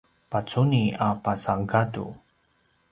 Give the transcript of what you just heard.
pacuni a pasa gadu